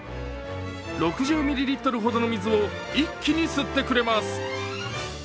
６０ミリリットルほどの水を一気に吸ってくれます。